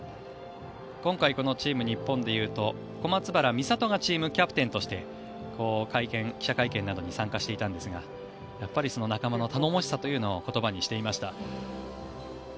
今回このチーム日本でいうと小松原美里がチームキャプテンとして記者会見などに参加していたんですがやっぱり仲間の頼もしさを言葉にしていました。